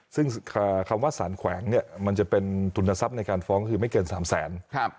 ซึ่งคำว่าสารแขวงเนี่ยมันจะเป็นทุนทรัพย์ในการฟ้องคือไม่เกิน๓แสน